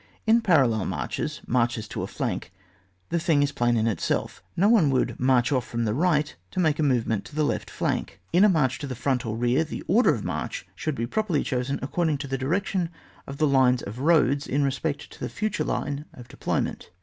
In parallel marches (marches to a flank) the thing is plain in itself. No one would march off from the right to make a movement to the left flank. In a march to the front or rear, the order of march should properly be chosen accord ing to the direction of the lines of roads in respect to the future line of deploy ment.